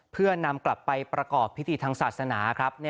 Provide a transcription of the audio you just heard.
เพื่อนำกลับไปประกอบพิธีทางศาสนาครับ